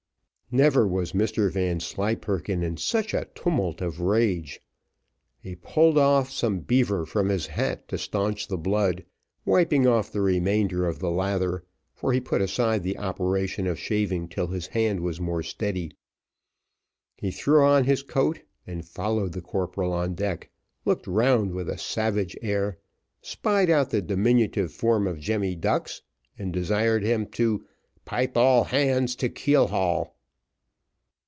Never was Mr Vanslyperken in such a tumult of rage; he pulled off some beaver from his hat to staunch the blood, and wiping off the remainder of the lather, for he put aside the operation of shaving till his hand was more steady, he threw on his coat and followed the corporal on deck, looked round with a savage air, spied out the diminutive form of Jemmy Ducks, and desired him to pipe "all hands to keel haul."